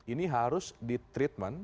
ini harus di treatment